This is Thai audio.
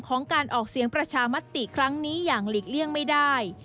การออกเสียงประชามติครั้งนี้อย่างหลีกเลี่ยงไม่ได้